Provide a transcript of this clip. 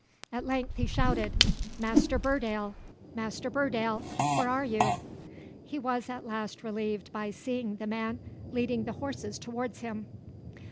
At length he shouted, "Master Burdale! Master Burdale! where are you?" He was at last relieved by seeing the man leading the horses towards him.